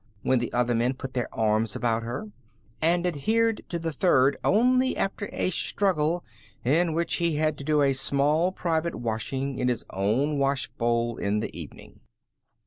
when the other men put their arms about her; and adhered to the third only after a struggle, in which he had to do a small private washing in his own wash bowl in the evening.